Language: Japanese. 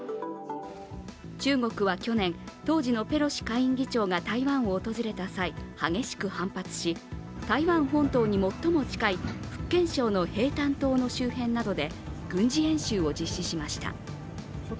中国は去年、当時のペロシ下院議長が台湾を訪れた際、激しく反発し台湾本島に最も近い福建省の平潭島の周辺などで軍事演習を実施しました。